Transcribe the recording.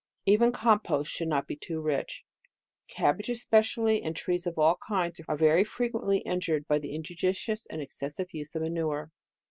Even composts should not be too rich. Cabbage, especially, and trees of all kinds, are very frequently injured by the inju dicious and excessive use of manure.